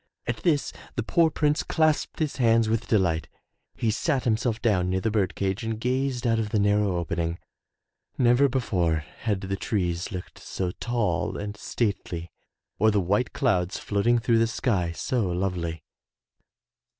At this the poor Prince clasped his hands with delight. He sat himself down near the bird cage and gazed out of the narrow opening. Never before had the trees looked so tall and stately, or the white clouds floating through the sky so lovely.